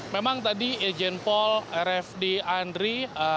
memang tadi ejen paul rfd andri